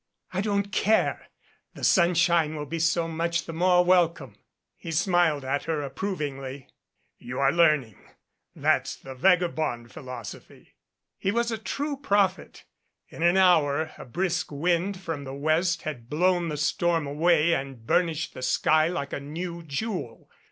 "I don't care. The sunshine will be so much the more welcome." He smiled at her approvingly. "You are learning. That's the vagabond philos ophy." 129 MADCAP He was a true prophet. In an hour a brisk wind from the west had blown the storm away and burnished the sky like a new jewel.